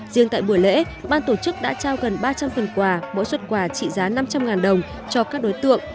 riêng tại buổi lễ ban tổ chức đã trao gần ba trăm linh phần quà mỗi xuất quà trị giá năm trăm linh đồng cho các đối tượng